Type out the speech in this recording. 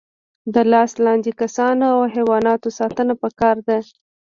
د لاس لاندې کسانو او حیواناتو ساتنه پکار ده.